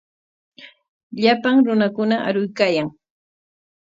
Llapan runakuna aruykaayan.